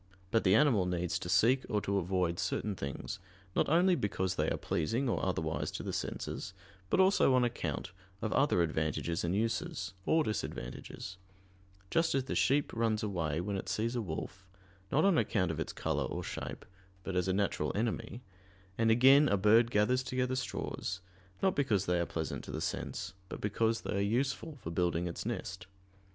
But the animal needs to seek or to avoid certain things, not only because they are pleasing or otherwise to the senses, but also on account of other advantages and uses, or disadvantages: just as the sheep runs away when it sees a wolf, not on account of its color or shape, but as a natural enemy: and again a bird gathers together straws, not because they are pleasant to the sense, but because they are useful for building its nest.